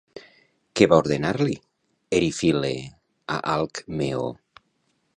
Què va ordenar-li Erifile a Alcmeó?